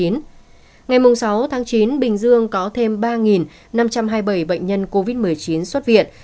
ngày sáu chín bình dương có thêm ba năm trăm hai mươi bảy bệnh nhân covid một mươi chín xuất viện